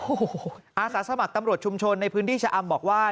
โอ้โหอาสาสมัครตำรวจชุมชนในพื้นที่ชะอำบอกว่า